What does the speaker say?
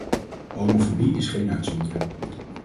Homofobie is geen uitzondering.